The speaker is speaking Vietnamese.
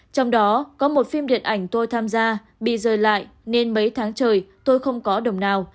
trong đó có một phim điện ảnh tôi tham gia bị rời lại nên mấy tháng trời tôi không có đồng nào